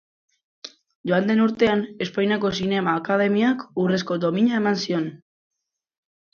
Joan den urtean, Espainiako Zinema Akademiak Urrezko Domina eman zion.